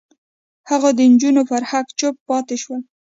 هغوی د نجونو پر حق چوپ پاتې شول.